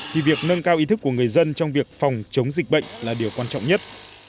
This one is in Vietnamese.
thì việc nâng cao ý thức của người dân trong việc phòng chống dịch bệnh là điều quan trọng nhất